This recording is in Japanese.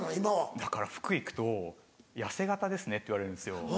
だから服行くと痩せ形ですねって言われるんですよ。